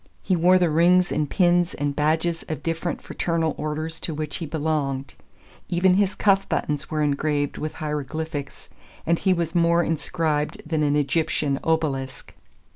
He wore the rings and pins and badges of different fraternal orders to which he belonged. Even his cuff buttons were engraved with hieroglyphics, and he was more inscribed than an Egyptian obelisk.